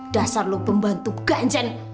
dasar lo pembantu ganjen